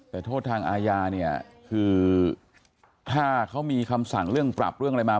แต่โทษทางอาญาเนี่ยคือถ้าเขามีคำสั่งเรื่องปรับเรื่องอะไรมา